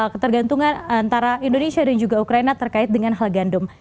ketergantungan antara indonesia dan juga ukraina terkait dengan hal gandum